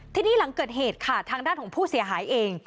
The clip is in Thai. ทีนี้หลังเกิดเหตุค่ะทางด้านของผู้เสียหายเอง